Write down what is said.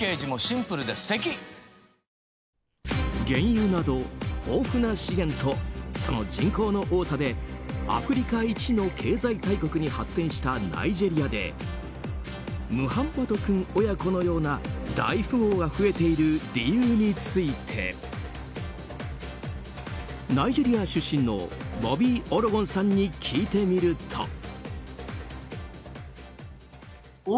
原油など豊富な資源とその人口の多さでアフリカ一の経済大国に発展したナイジェリアでムハンマド君親子のような大富豪が増えている理由についてナイジェリア出身のボビー・オロゴンさんに聞いてみると。